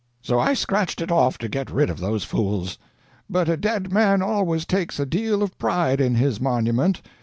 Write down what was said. So I scratched it off to get rid of those fools. But a dead man always takes a deal of pride in his monument.